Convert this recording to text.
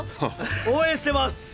応援してます！